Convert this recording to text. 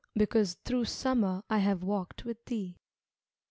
Because through Summer I have walked with thee.